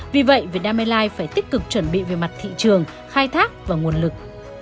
vì vậy việt nam airlines phải tích cực chuẩn bị về mặt thị trường khai thác và nguồn lực